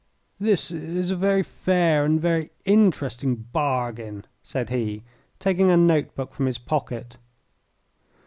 "This is a very fair and a very interesting bargain," said he, taking a note book from his pocket.